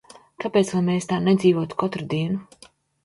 Kāpēc lai mēs tā nedzīvotu katru dienu?